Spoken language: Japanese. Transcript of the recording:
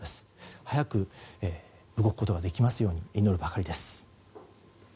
早く動くことができますようにと祈るばかりです。